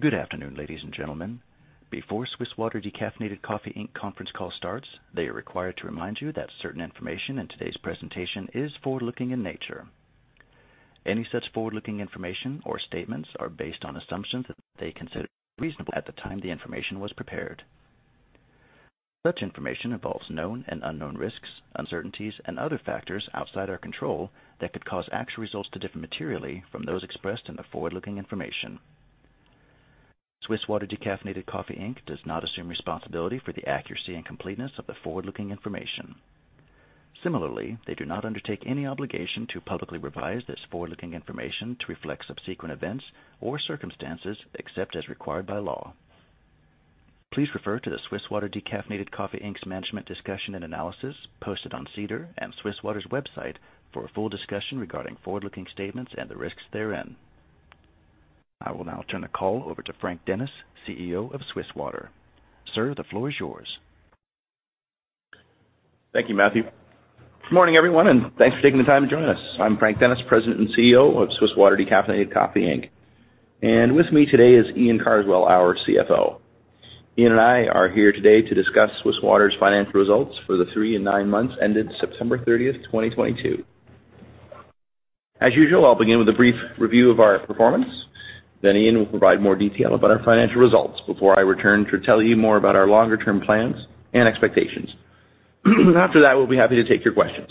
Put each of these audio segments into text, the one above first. Good afternoon, ladies and gentlemen. Before Swiss Water Decaffeinated Coffee Inc conference call starts, they are required to remind you that certain information in today's presentation is forward-looking in nature. Any such forward-looking information or statements are based on assumptions that they consider reasonable at the time the information was prepared. Such information involves known and unknown risks, uncertainties and other factors outside our control that could cause actual results to differ materially from those expressed in the forward-looking information. Swiss Water Decaffeinated Coffee Inc does not assume responsibility for the accuracy and completeness of the forward-looking information. Similarly, they do not undertake any obligation to publicly revise this forward-looking information to reflect subsequent events or circumstances except as required by law. Please refer to the Swiss Water Decaffeinated Coffee Inc's management discussion and analysis posted on SEDAR and Swiss Water's website for a full discussion regarding forward-looking statements and the risks therein. I will now turn the call over to Frank Dennis, CEO of Swiss Water. Sir, the floor is yours. Thank you, Matthew. Good morning, everyone, and thanks for taking the time to join us. I'm Frank Dennis, President and CEO of Swiss Water Decaffeinated Coffee Inc With me today is Iain Carswell, our CFO. Iain and I are here today to discuss Swiss Water's financial results for the three and nine months ended September 30th, 2022. As usual, I'll begin with a brief review of our performance. Iain will provide more detail about our financial results before I return to tell you more about our longer-term plans and expectations. After that, we'll be happy to take your questions.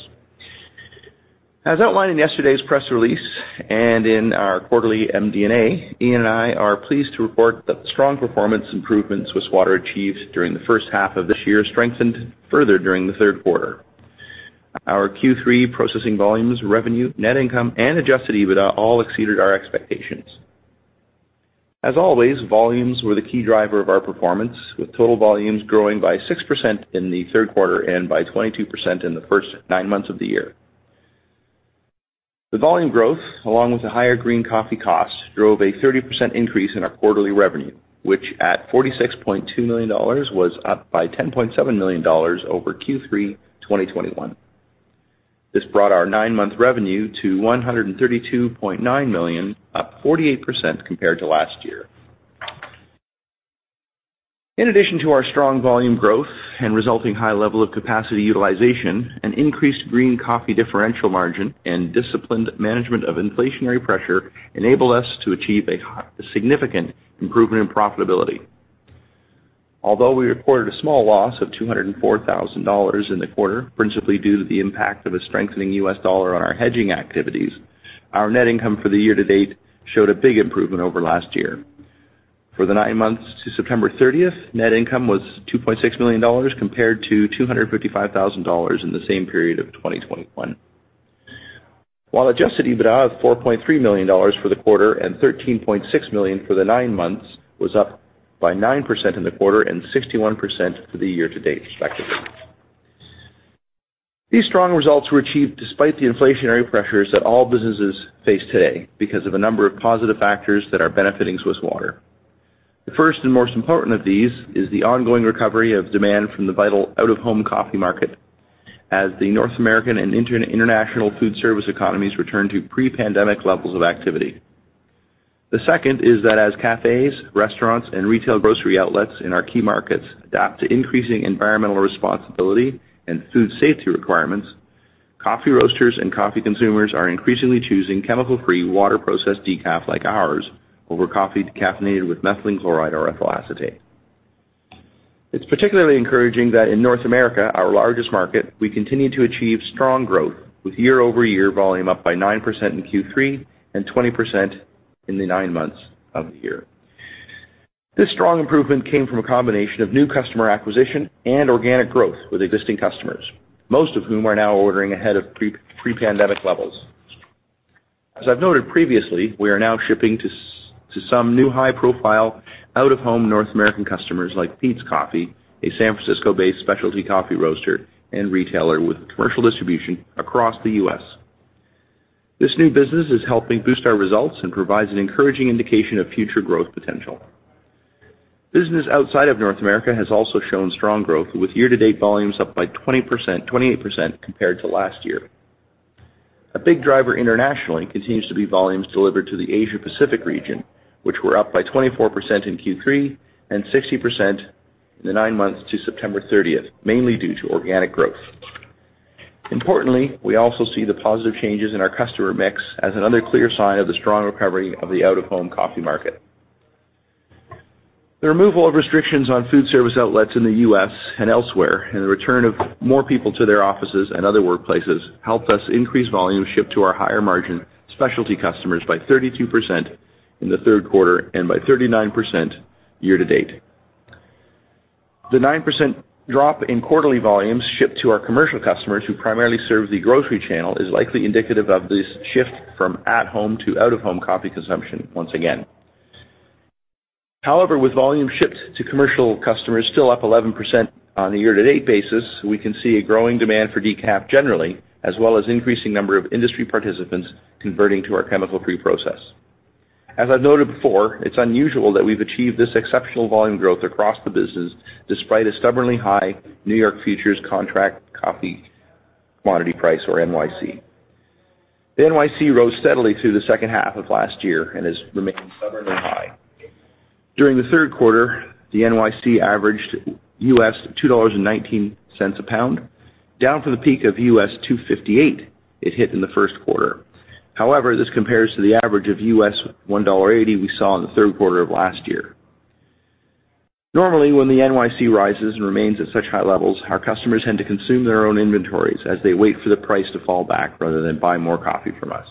As outlined in yesterday's press release and in our quarterly MD&A, Iain and I are pleased to report that the strong performance improvement Swiss Water achieved during the first half of this year strengthened further during the Q3. Our Q3 processing volumes, revenue, net income, and Adjusted EBITDA all exceeded our expectations. As always, volumes were the key driver of our performance, with total volumes growing by 6% in the Q3 and by 22% in the first nine months of the year. The volume growth, along with the higher green coffee costs, drove a 30% increase in our quarterly revenue, which at $46.2 million, was up by $10.7 million over Q3 2021. This brought our nine-month revenue to $132.9 million, up 48% compared to last year. In addition to our strong volume growth and resulting high level of capacity utilization and increased green coffee differential margin and disciplined management of inflationary pressure enable us to achieve a significant improvement in profitability. Although we reported a small loss of 204,000 dollars in the quarter, principally due to the impact of a strengthening U.S. dollar on our hedging activities, our net income for the year-to-date showed a big improvement over last year. For the nine months to September 30th, net income was 2.6 million dollars compared to 255,000 dollars in the same period of 2021. While Adjusted EBITDA of 4.3 million dollars for the quarter and 13.6 million for the nine months was up by 9% in the quarter and 61% for the year-to-date, respectively. These strong results were achieved despite the inflationary pressures that all businesses face today because of a number of positive factors that are benefiting Swiss Water. The first and most important of these is the ongoing recovery of demand from the vital out-of-home coffee market as the North American and inter-international food service economies return to pre-pandemic levels of activity. The second is that as cafes, restaurants, and retail grocery outlets in our key markets adapt to increasing environmental responsibility and food safety requirements, coffee roasters and coffee consumers are increasingly choosing chemical-free water processed decaf like ours over coffee decaffeinated with methylene chloride or ethyl acetate. It's particularly encouraging that in North America, our largest market, we continue to achieve strong growth with year-over-year volume up by 9% in Q3 and 20% in the nine months of the year. This strong improvement came from a combination of new customer acquisition and organic growth with existing customers, most of whom are now ordering ahead of pre-pandemic levels. As I've noted previously, we are now shipping to some new high-profile out-of-home North American customers like Peet's Coffee, a San Francisco-based specialty coffee roaster and retailer with commercial distribution across the U.S. This new business is helping boost our results and provides an encouraging indication of future growth potential. Business outside of North America has also shown strong growth, with year-to-date volumes up by 28% compared to last year. A big driver internationally continues to be volumes delivered to the Asia Pacific region, which were up by 24% in Q3 and 60% in the nine months to September 30th, mainly due to organic growth. Importantly, we also see the positive changes in our customer mix as another clear sign of the strong recovery of the out-of-home coffee market. The removal of restrictions on food service outlets in the U.S. and elsewhere and the return of more people to their offices and other workplaces helped us increase volume shipped to our higher margin specialty customers by 32% in the Q3 and by 39% year-to-date. The 9% drop in quarterly volumes shipped to our commercial customers who primarily serve the grocery channel is likely indicative of this shift from at home to out-of-home coffee consumption once again. However, with volume shipped to commercial customers still up 11% on a year-to-date basis, we can see a growing demand for decaf generally, as well as increasing number of industry participants converting to our chemical-free process. As I've noted before, it's unusual that we've achieved this exceptional volume growth across the business despite a stubbornly high New York Coffee Futures contract coffee commodity price or NYC. The NYC rose steadily through the second half of last year and has remained stubbornly high. During the Q3, the NYC averaged $2.19 a pound, down from the peak of $2.58 it hit in the Q1. However, this compares to the average of $1.80 we saw in the Q3 of last year. Normally, when the NYC rises and remains at such high levels, our customers tend to consume their own inventories as they wait for the price to fall back rather than buy more coffee from us.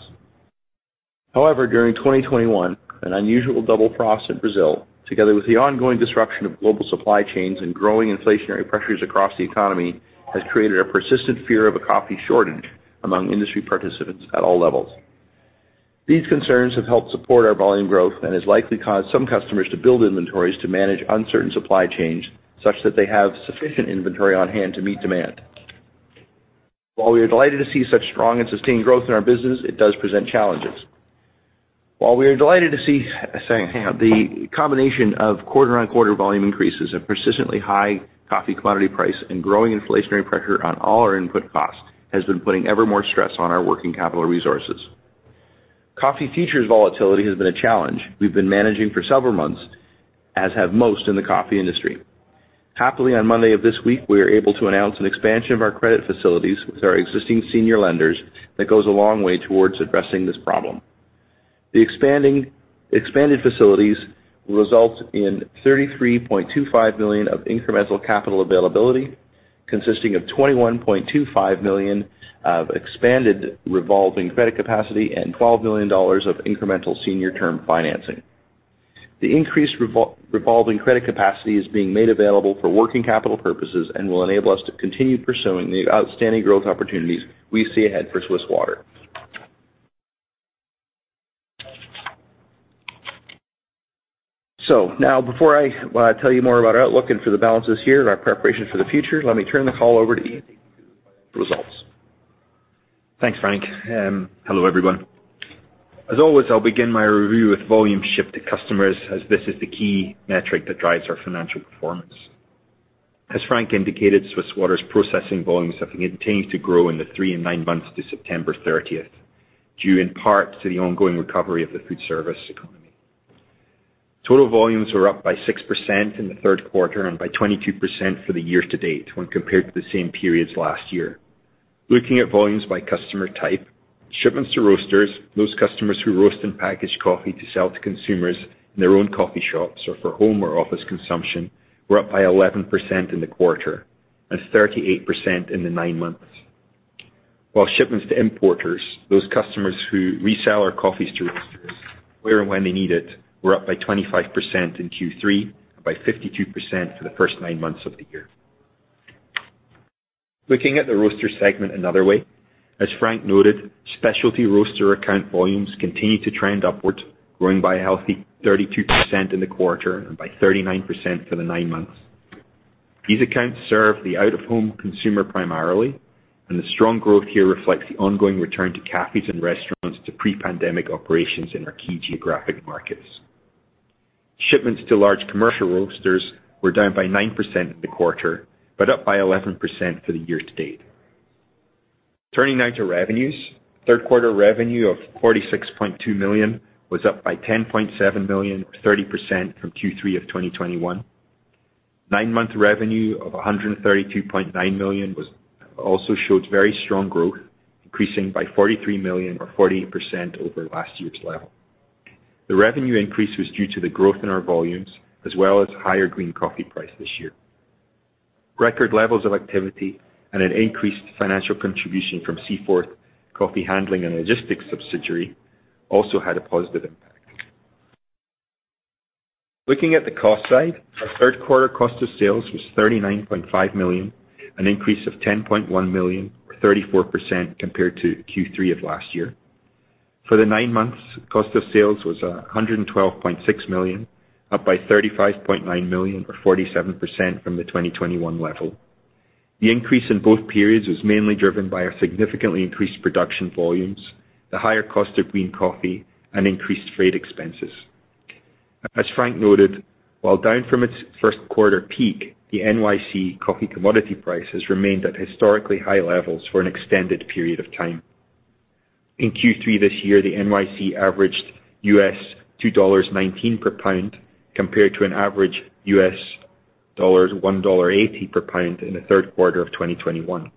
However, during 2021, an unusual double frost in Brazil, together with the ongoing disruption of global supply chains and growing inflationary pressures across the economy, has created a persistent fear of a coffee shortage among industry participants at all levels. These concerns have helped support our volume growth and has likely caused some customers to build inventories to manage uncertain supply chains such that they have sufficient inventory on hand to meet demand. While we are delighted to see such strong and sustained growth in our business, it does present challenges. The combination of quarter-on-quarter volume increases, a persistently high coffee commodity price, and growing inflationary pressure on all our input costs has been putting ever more stress on our working capital resources. Coffee Futures volatility has been a challenge we've been managing for several months, as have most in the coffee industry. Happily, on Monday of this week, we were able to announce an expansion of our credit facilities with our existing senior lenders that goes a long way towards addressing this problem. The expanded facilities will result in 33.25 million of incremental capital availability, consisting of 21.25 million of expanded revolving credit capacity and 12 million dollars of incremental senior term financing. The increased revolving credit capacity is being made available for working capital purposes and will enable us to continue pursuing the outstanding growth opportunities we see ahead for Swiss Water. Now, before I tell you more about our outlook and for the balance this year and our preparation for the future, let me turn the call over to Iain to take you through our financial results. Thanks, Frank. Hello, everyone. As always, I'll begin my review with volume shipped to customers as this is the key metric that drives our financial performance. As Frank indicated, Swiss Water's processing volumes have continued to grow in the three and nine months to September thirtieth, due in part to the ongoing recovery of the food service economy. Total volumes were up by 6% in the Q3 and by 22% for the year-to-date when compared to the same periods last year. Looking at volumes by customer type, shipments to roasters, those customers who roast and package coffee to sell to consumers in their own coffee shops or for home or office consumption, were up by 11% in the quarter and 38% in the nine months. While shipments to importers, those customers who resell our coffees to roasters where and when they need it, were up by 25% in Q3 and by 52% for the first nine months of the year. Looking at the roaster segment another way, as Frank noted, specialty roaster account volumes continued to trend upwards, growing by a healthy 32% in the quarter and by 39% for the nine months. These accounts serve the out-of-home consumer primarily, and the strong growth here reflects the ongoing return to cafes and restaurants to pre-pandemic operations in our key geographic markets. Shipments to large commercial roasters were down by 9% in the quarter, but up by 11% for the year-to-date. Turning now to revenues. Q3 revenue of $46.2 million was up by $10.7 million, or 30% from Q3 of 2021. Nine-month revenue of 132.9 million also showed very strong growth, increasing by 43 million or 48% over last year's level. The revenue increase was due to the growth in our volumes as well as higher green coffee price this year. Record levels of activity and an increased financial contribution from Seaforth Supply Chain Solutions subsidiary also had a positive impact. Looking at the cost side, our Q3 cost of sales was 39.5 million, an increase of 10.1 million, or 34% compared to Q3 of last year. For the nine months, cost of sales was 112.6 million, up by 35.9 million or 47% from the 2021 level. The increase in both periods was mainly driven by our significantly increased production volumes, the higher cost of green coffee, and increased freight expenses. As Frank noted, while down from its Q1 peak, the NYC coffee commodity price has remained at historically high levels for an extended period of time. In Q3 this year, the NYC averaged $2.19 per pound, compared to an average $1.80 per pound in the Q3 of 2021.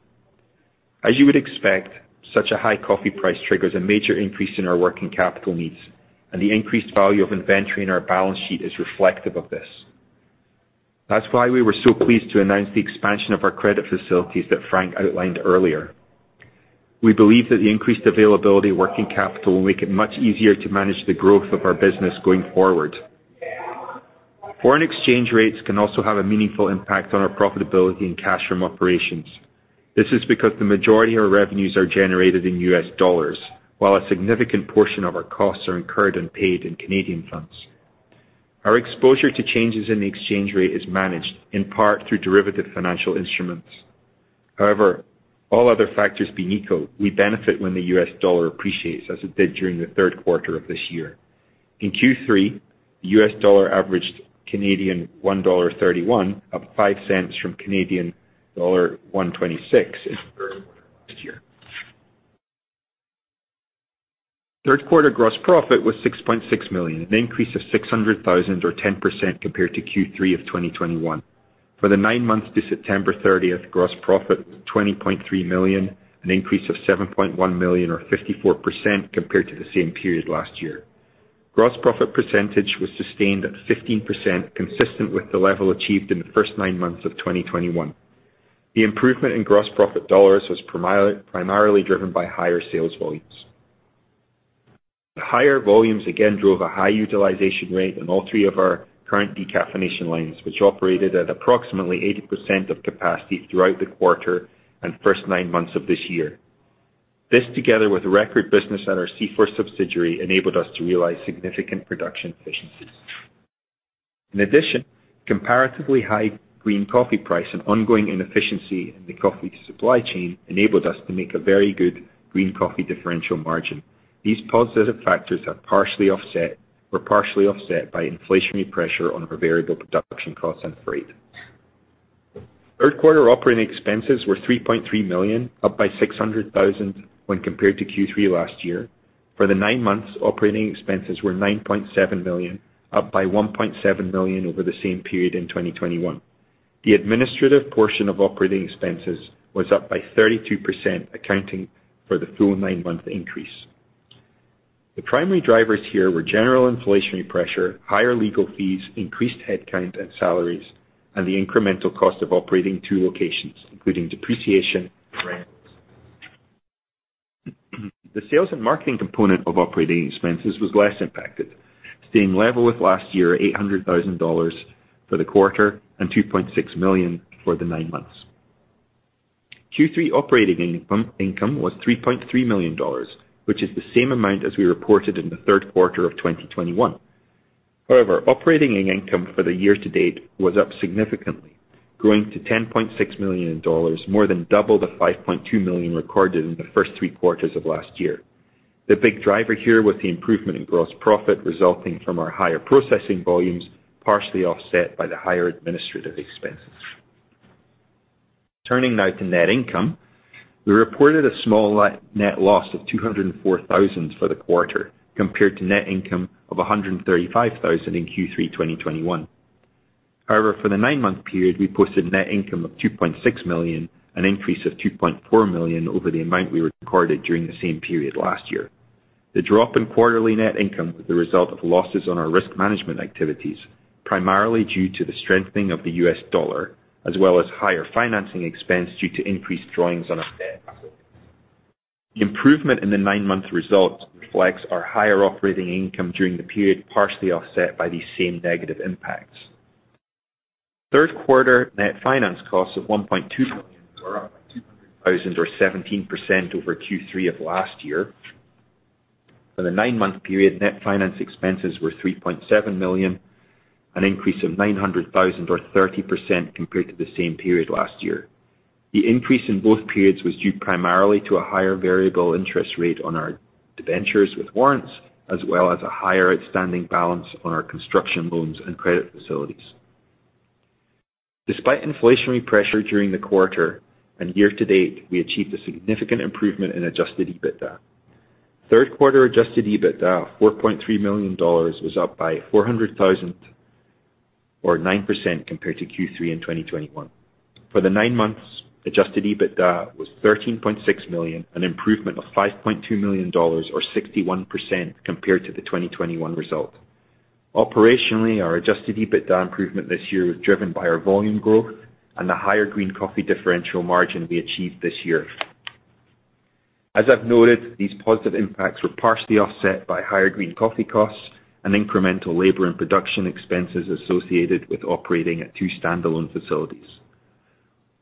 As you would expect, such a high coffee price triggers a major increase in our working capital needs, and the increased value of inventory in our balance sheet is reflective of this. That's why we were so pleased to announce the expansion of our credit facilities that Frank outlined earlier. We believe that the increased availability of working capital will make it much easier to manage the growth of our business going forward. Foreign exchange rates can also have a meaningful impact on our profitability and cash from operations. This is because the majority of our revenues are generated in U.S. dollars, while a significant portion of our costs are incurred and paid in Canadian funds. Our exposure to changes in the exchange rate is managed, in part through derivative financial instruments. However, all other factors being equal, we benefit when the U.S. dollar appreciates as it did during the Q3 of this year. In Q3, the U.S. dollar averaged 1.31 dollar, up 5 cents from CAD 1.26 in the Q3 last year. Q3 gross profit was 6.6 million, an increase of 600 thousand or 10% compared to Q3 of 2021. For the nine months to September 30, gross profit, 20.3 million, an increase of 7.1 million or 54% compared to the same period last year. Gross profit percentage was sustained at 15%, consistent with the level achieved in the first nine months of 2021. The improvement in gross profit dollars was primarily driven by higher sales volumes. The higher volumes again drove a high utilization rate in all three of our current decaffeination lines, which operated at approximately 80% of capacity throughout the quarter and first nine months of this year. This, together with record business at our Seaforth subsidiary, enabled us to realize significant production efficiencies. Comparatively high green coffee price and ongoing inefficiency in the coffee supply chain enabled us to make a very good green coffee differential margin. These positive factors have partially offset by inflationary pressure on our variable production costs and freight. Q3 operating expenses were 3.3 million, up by 600,000 when compared to Q3 last year. For the nine months, operating expenses were 9.7 million, up by 1.7 million over the same period in 2021. The administrative portion of operating expenses was up by 32%, accounting for the full nine-month increase. The primary drivers here were general inflationary pressure, higher legal fees, increased headcount and salaries, and the incremental cost of operating two locations, including depreciation and rent. The sales and marketing component of operating expenses was less impacted, staying level with last year, 800 thousand dollars for the quarter and 2.6 million for the nine months. Q3 operating income was 3.3 million dollars, which is the same amount as we reported in the Q3 of 2021. However, operating income for the year-to-date was up significantly, growing to 10.6 million dollars, more than double the 5.2 million recorded in the first three quarters of last year. The big driver here was the improvement in gross profit resulting from our higher processing volumes, partially offset by the higher administrative expenses. Turning now to net income. We reported a small net loss of 204,000 for the quarter, compared to net income of 135,000 in Q3 2021. However, for the nine-month period, we posted net income of 2.6 million, an increase of 2.4 million over the amount we recorded during the same period last year. The drop in quarterly net income was the result of losses on our risk management activities, primarily due to the strengthening of the U.S. dollar, as well as higher financing expense due to increased drawings on our debt facilities. Improvement in the nine-month results reflects our higher operating income during the period, partially offset by these same negative impacts. Q3 net finance costs of 1.2 million were up 200,000 or 17% over Q3 of last year. For the nine-month period, net finance expenses were 3.7 million, an increase of 900,000 or 30% compared to the same period last year. The increase in both periods was due primarily to a higher variable interest rate on our debentures with warrants, as well as a higher outstanding balance on our construction loans and credit facilities. Despite inflationary pressure during the quarter and year-to-date, we achieved a significant improvement in Adjusted EBITDA. Q3 Adjusted EBITDA of 4.3 million dollars was up by 400,000 or 9% compared to Q3 in 2021. For the nine months, Adjusted EBITDA was 13.6 million, an improvement of 5.2 million dollars or 61% compared to the 2021 result. Operationally, our Adjusted EBITDA improvement this year was driven by our volume growth and the higher green coffee differential margin we achieved this year. As I've noted, these positive impacts were partially offset by higher green coffee costs and incremental labor and production expenses associated with operating at two standalone facilities.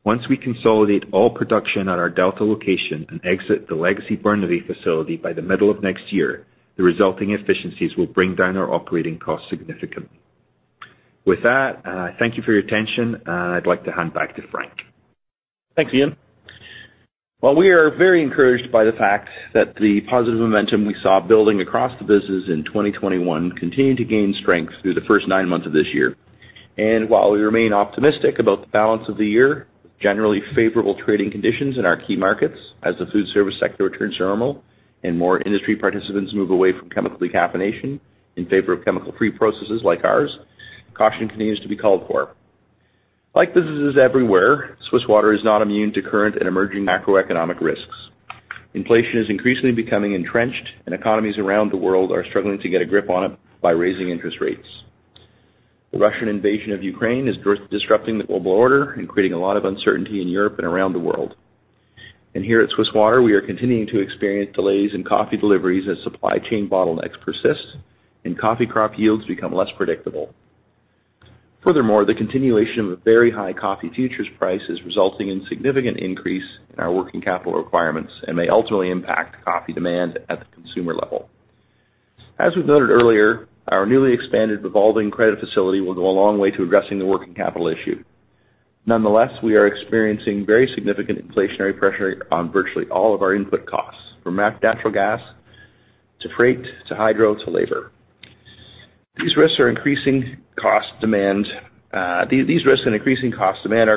Once we consolidate all production at our Delta location and exit the legacy Burnaby facility by the middle of next year, the resulting efficiencies will bring down our operating costs significantly. With that, thank you for your attention. I'd like to hand back to Frank. Thanks, Iain. While we are very encouraged by the fact that the positive momentum we saw building across the business in 2021 continued to gain strength through the first nine months of this year. While we remain optimistic about the balance of the year, generally favorable trading conditions in our key markets as the food service sector returns to normal and more industry participants move away from chemical decaffeination in favor of chemical-free processes like ours, caution continues to be called for. Like businesses everywhere, Swiss Water is not immune to current and emerging macroeconomic risks. Inflation is increasingly becoming entrenched, and economies around the world are struggling to get a grip on it by raising interest rates. The Russian invasion of Ukraine is disrupting the global order and creating a lot of uncertainty in Europe and around the world. Here at Swiss Water, we are continuing to experience delays in coffee deliveries as supply chain bottlenecks persist and coffee crop yields become less predictable. Furthermore, the continuation of a very high Coffee Futures price is resulting in significant increase in our working capital requirements and may ultimately impact coffee demand at the consumer level. As we've noted earlier, our newly expanded revolving credit facility will go a long way to addressing the working capital issue. Nonetheless, we are experiencing very significant inflationary pressure on virtually all of our input costs, from natural gas to freight to hydro to labor. These risks and increasing costs demand our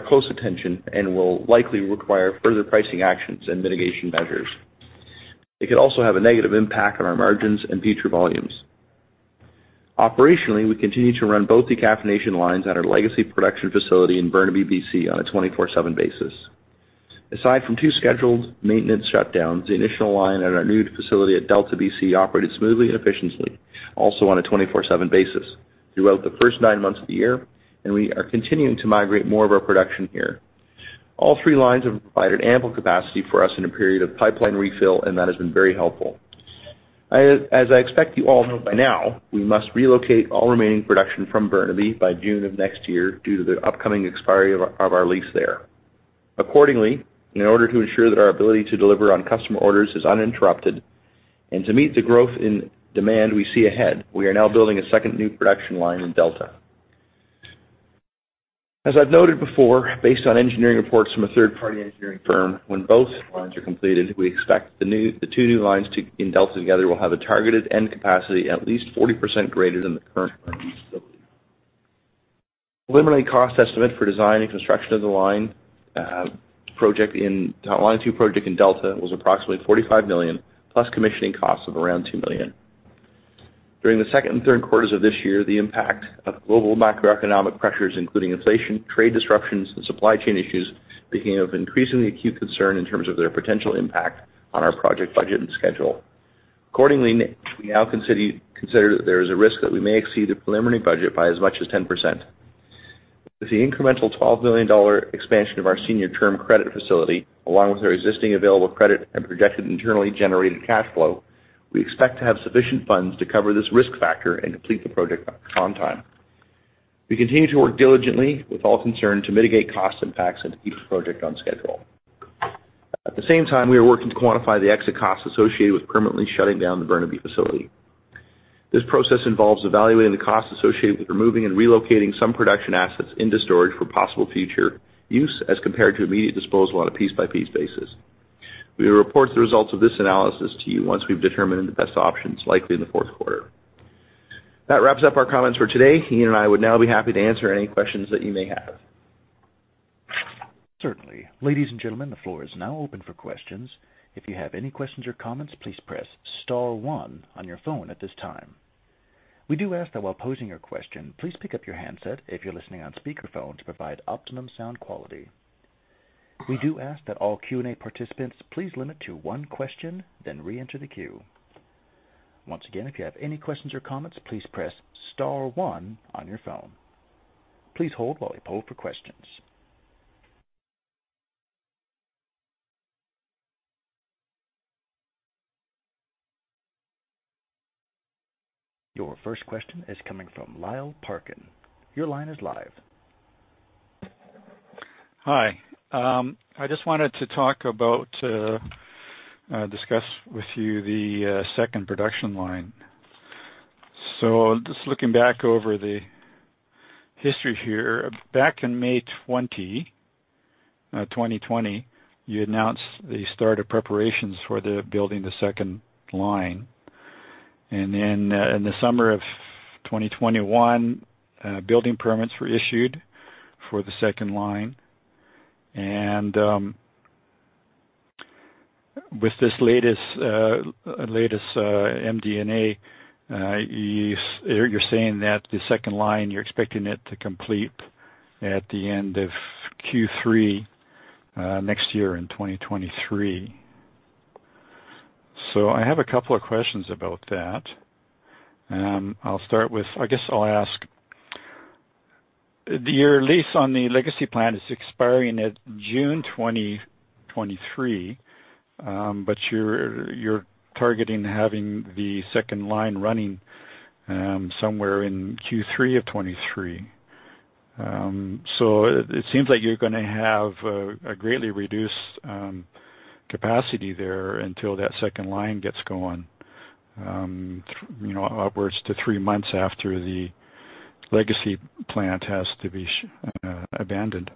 close attention and will likely require further pricing actions and mitigation measures. It could also have a negative impact on our margins and future volumes. Operationally, we continue to run both decaffeination lines at our legacy production facility in Burnaby, BC on a 24/7 basis. Aside from two scheduled maintenance shutdowns, the initial line at our new facility at Delta, BC operated smoothly and efficiently, also on a 24/7 basis throughout the first nine months of the year, and we are continuing to migrate more of our production here. All three lines have provided ample capacity for us in a period of pipeline refill, and that has been very helpful. I, as I expect you all know by now, we must relocate all remaining production from Burnaby by June of next year due to the upcoming expiry of our lease there. Accordingly, in order to ensure that our ability to deliver on customer orders is uninterrupted, and to meet the growth in demand we see ahead, we are now building a second new production line in Delta. As I've noted before, based on engineering reports from a third-party engineering firm, when both lines are completed, we expect the two new lines in Delta together will have a targeted end capacity at least 40% greater than the current facility. Preliminary cost estimate for design and construction of the line two project in Delta was approximately 45 million, plus commissioning costs of around 2 million. During the second and Q3s of this year, the impact of global macroeconomic pressures, including inflation, trade disruptions, and supply chain issues, became of increasingly acute concern in terms of their potential impact on our project budget and schedule. Accordingly, we now consider that there is a risk that we may exceed the preliminary budget by as much as 10%. With the incremental $12 million expansion of our senior term credit facility, along with our existing available credit and projected internally generated cash flow, we expect to have sufficient funds to cover this risk factor and complete the project on time. We continue to work diligently with all concerned to mitigate cost impacts and to keep the project on schedule. At the same time, we are working to quantify the exit costs associated with permanently shutting down the Burnaby facility. This process involves evaluating the costs associated with removing and relocating some production assets into storage for possible future use as compared to immediate disposal on a piece-by-piece basis. We will report the results of this analysis to you once we've determined the best options, likely in the Q4. That wraps up our comments for today. Iain and I would now be happy to answer any questions that you may have. Certainly. Ladies and gentlemen, the floor is now open for questions. If you have any questions or comments, please press star one on your phone at this time. We do ask that while posing your question, please pick up your handset if you're listening on speakerphone to provide optimum sound quality. We do ask that all Q&A participants please limit to one question, then reenter the queue. Once again, if you have any questions or comments, please press star one on your phone. Please hold while we poll for questions. Your first question is coming from Lyle Parkin. Your line is live. Hi. I just wanted to discuss with you the second production line. Just looking back over the history here, back in May 2020, you announced the start of preparations for the building the second line. In the summer of 2021, building permits were issued for the second line. With this latest MD&A, you're saying that the second line, you're expecting it to complete at the end of Q3 next year in 2023. I have a couple of questions about that. I'll start with- I guess I'll ask, your lease on the legacy plant is expiring at June 2023, but you're targeting having the second line running somewhere in Q3 of 2023. It seems like you're gonna have a greatly reduced capacity there until that second line gets going, you know, upwards to three months after the legacy plant has to be abandoned.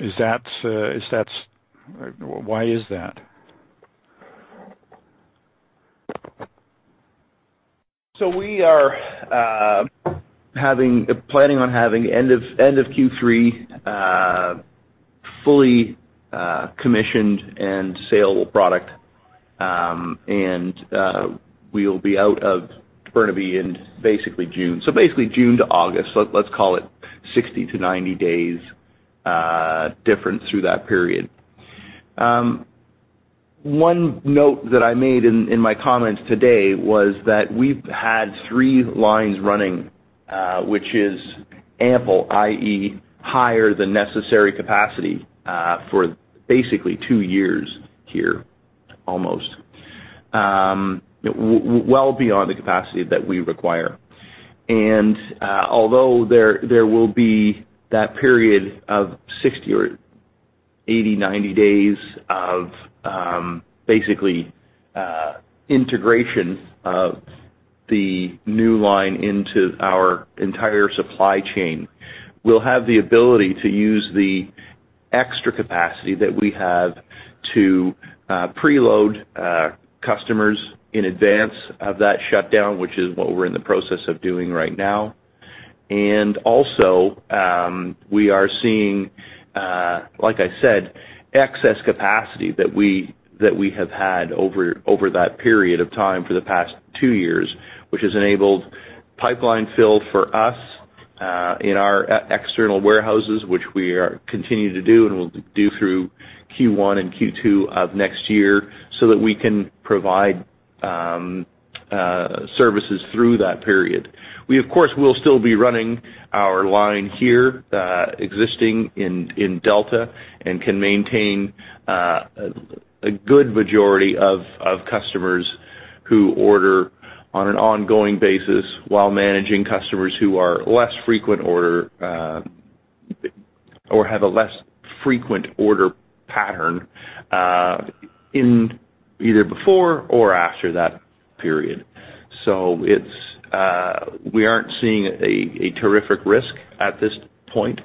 Is that? Why is that? We are planning on having end of Q3 fully commissioned and saleable product. We'll be out of Burnaby in basically June. Basically June to August. Let's call it 60 to 90 days difference through that period. One note that I made in my comments today was that we've had three lines running, which is ample, i.e., higher than necessary capacity, for basically two years here, almost. Well beyond the capacity that we require. Although there will be that period of 60 or 80, 90 days of basically integration of the new line into our entire supply chain. We'll have the ability to use the extra capacity that we have to preload customers in advance of that shutdown, which is what we're in the process of doing right now. Also, we are seeing, like I said, excess capacity that we have had over that period of time for the past two years, which has enabled pipeline fill for us in our external warehouses, which we are continuing to do and will do through Q1 and Q2 of next year so that we can provide services through that period. We, of course, will still be running our line here existing in Delta and can maintain a good majority of customers who order on an ongoing basis while managing customers who are less frequent order or have a less frequent order pattern in either before or after that period. We aren't seeing a terrific risk at this point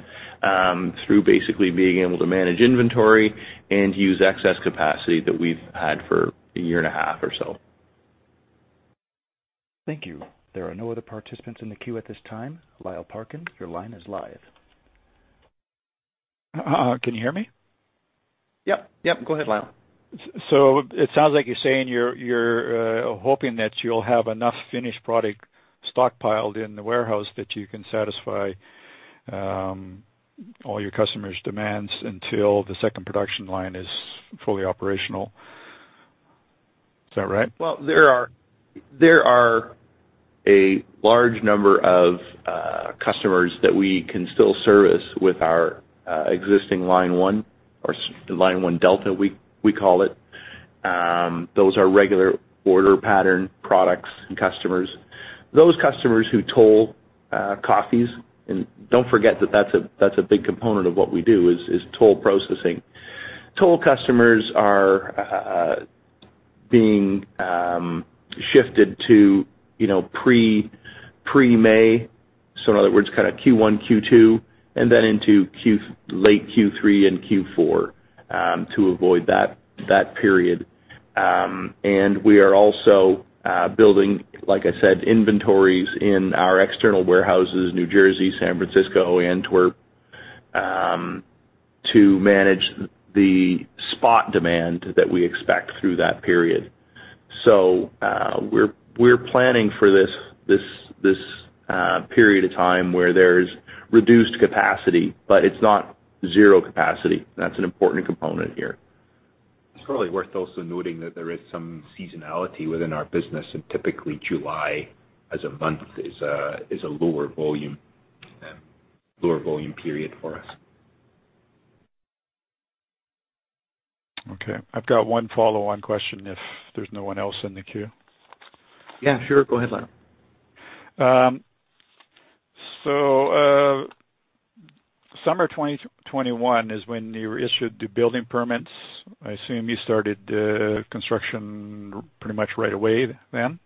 through basically being able to manage inventory and use excess capacity that we've had for a year and a half or so. Thank you. There are no other participants in the queue at this time. Lyle Parkin, your line is live. Can you hear me? Yep. Yep. Go ahead, Lyle. It sounds like you're saying you're hoping that you'll have enough finished product stockpiled in the warehouse that you can satisfy all your customers' demands until the second production line is fully operational. Is that right? Well, there are a large number of customers that we can still service with our existing line one or line one Delta, we call it. Those are regular order pattern products and customers. Those customers who toll coffees, and don't forget that that's a big component of what we do is toll processing. Toll customers are being shifted to, you know, pre-May. In other words, kind of Q1, Q2, and then into late Q3 and Q4, to avoid that period. We are also building, like I said, inventories in our external warehouses, New Jersey, San Francisco, Antwerp, to manage the spot demand that we expect through that period. We're planning for this period of time where there's reduced capacity, but it's not zero capacity. That's an important component here. It's probably worth also noting that there is some seasonality within our business, and typically July as a month is a lower volume period for us. Okay. I've got one follow-on question if there's no one else in the queue. Yeah, sure. Go ahead, Lyle. Summer 2021 is when you issued the building permits. I assume you started construction pretty much right away then.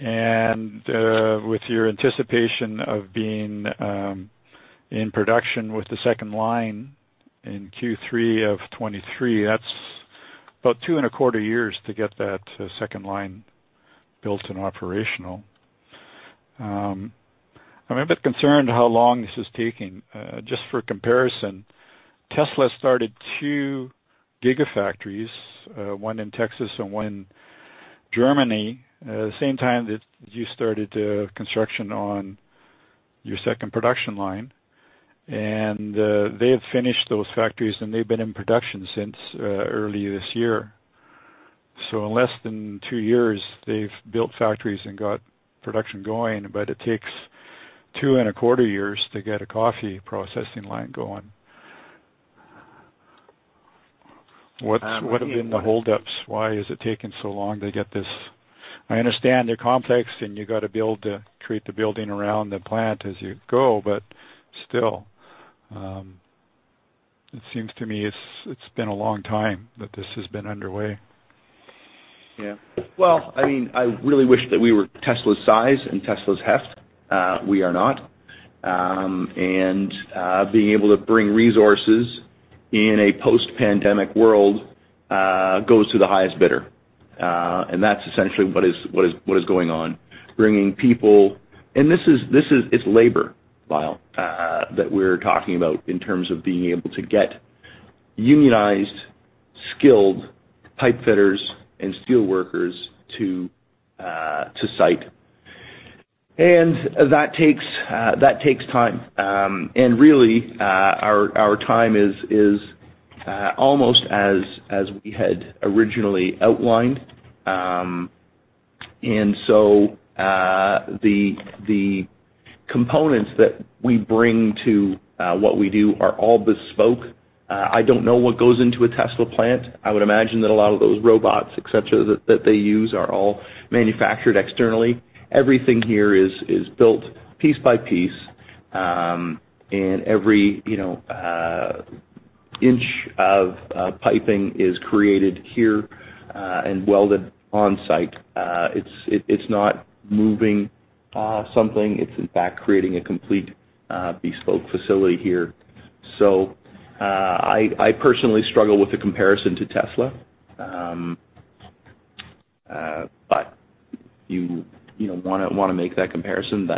With your anticipation of being in production with the second line in Q3 of 2023, that's about two and a quarter years to get that second line built and operational. I'm a bit concerned how long this is taking. Just for comparison, Tesla started two gigafactories, one in Texas and one in Germany, the same time that you started construction on your second production line. They have finished those factories, and they've been in production since early this year. In less than two years, they've built factories and got production going, but it takes two and a quarter years to get a coffee processing line going. What have been the holdups? Why has it taken so long to get this? I understand they're complex and you've got to build, create the building around the plant as you go, but still, it seems to me it's been a long time that this has been underway. Well, I mean, I really wish that we were Tesla's size and Tesla's heft. We are not. Being able to bring resources in a post-pandemic world goes to the highest bidder, and that's essentially what is going on, bringing people. It's labor, Lyle, that we're talking about in terms of being able to get unionized, skilled pipe fitters and steel workers to site. That takes time. Really, our time is almost as we had originally outlined. The components that we bring to what we do are all bespoke. I don't know what goes into a Tesla plant. I would imagine that a lot of those robots, etcetera, they use are all manufactured externally. Everything here is built piece by piece, and every, you know, inch of piping is created here, and welded on site. It's not moving something. It's in fact creating a complete bespoke facility here. I personally struggle with the comparison to Tesla. You know wanna make that comparison,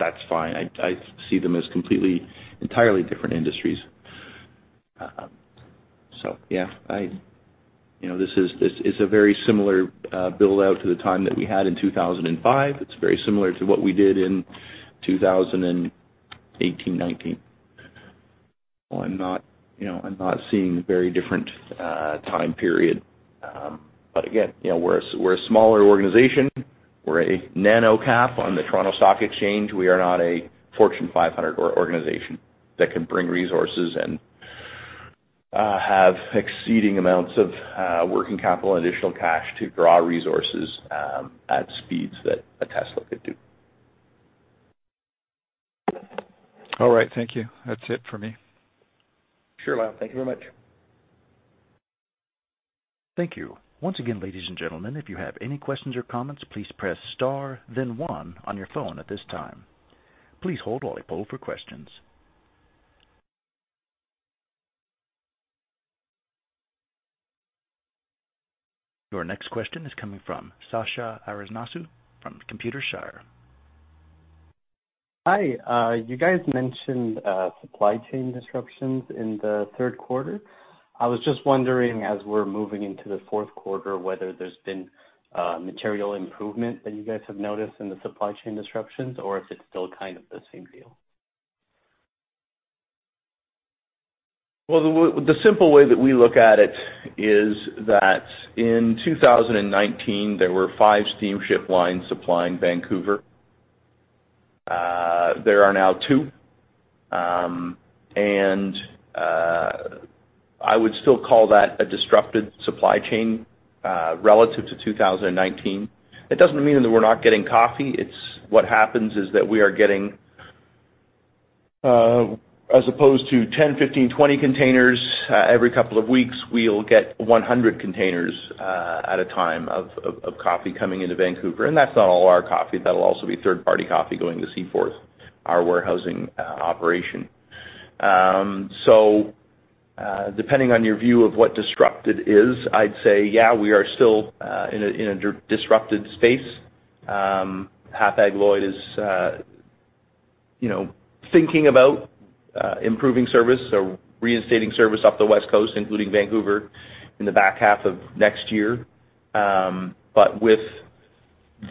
that's fine. I see them as completely entirely different industries. You know, this is a very similar build out to the time that we had in 2005. It's very similar to what we did in 2018, 2019. I'm not, you know, I'm not seeing very different time period. Again, you know, we're a smaller organization. We're a nano cap on the Toronto Stock Exchange. We are not a Fortune 500 organization that can bring resources and have exceeding amounts of working capital and additional cash to draw resources at speeds that a Tesla could do. All right. Thank you. That's it for me. Sure, Lyle. Thank you very much. Thank you. Once again, ladies and gentlemen, if you have any questions or comments, please press star then one on your phone at this time. Please hold while I poll for questions. Your next question is coming from Sasha Arasanu from Computershare. Hi. You guys mentioned supply chain disruptions in the Q3. I was just wondering as we're moving into the Q4, whether there's been material improvement that you guys have noticed in the supply chain disruptions or if it's still kind of the same deal? Well, the simple way that we look at it is that in 2019, there were five steamship lines supplying Vancouver. There are now two, and I would still call that a disrupted supply chain relative to 2019. It doesn't mean that we're not getting coffee. It's what happens is that we are getting, as opposed to 10, 15, 20 containers every couple of weeks, we'll get 100 containers at a time of coffee coming into Vancouver. That's not all our coffee. That'll also be third-party coffee going to Seaforth, our warehousing operation. Depending on your view of what disrupted is, I'd say yeah, we are still in a disrupted space. Hapag-Lloyd is, you know, thinking about improving service or reinstating service off the West Coast, including Vancouver in the back half of next year. With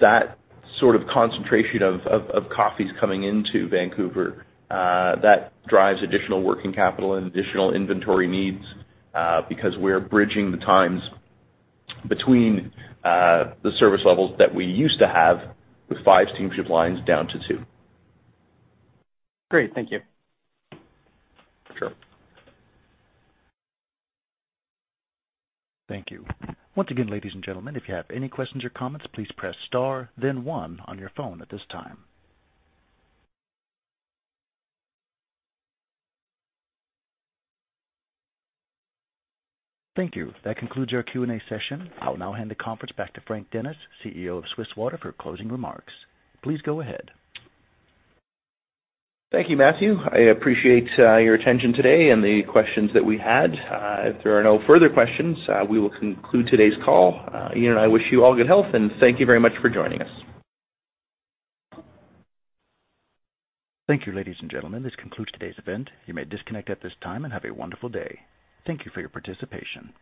that sort of concentration of coffees coming into Vancouver, that drives additional working capital and additional inventory needs, because we're bridging the times between the service levels that we used to have with five steamship lines down to two. Great. Thank you. Sure. Thank you. Once again, ladies and gentlemen, if you have any questions or comments, please press star then one on your phone at this time. Thank you. That concludes our Q&A session. I'll now hand the conference back to Frank Dennis, CEO of Swiss Water, for closing remarks. Please go ahead. Thank you, Matthew. I appreciate your attention today and the questions that we had. If there are no further questions, we will conclude today's call. Iain and I wish you all good health, and thank you very much for joining us. Thank you, ladies and gentlemen. This concludes today's event. You may disconnect at this time, and have a wonderful day. Thank you for your participation.